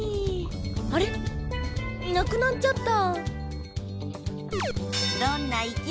あれっいなくなっちゃった。